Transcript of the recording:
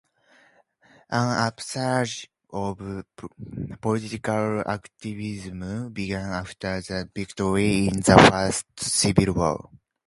An upsurge of political activism began after the victory in the first civil war.